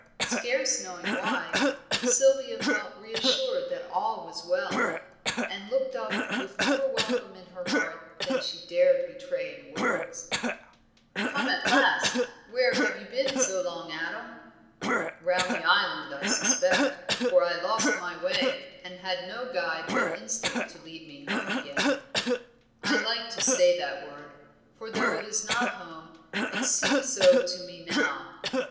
Scarce knowing why, Sylvia felt reassured that all was well, and looked up with more welcome in her heart than she dared betray in words. "Come at last! where have you been so long, Adam?" "Round the Island I suspect, for I lost my way, and had no guide but instinct to lead me home again. I like to say that word, for though it is not home it seems so to me now.